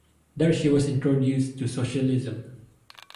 There she was introduced to socialism.